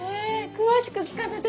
詳しく聞かせて！